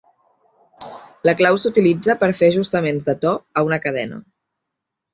La clau s'utilitza per fer ajustaments de to a una cadena.